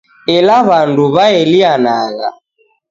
Ela w'andu waelianagha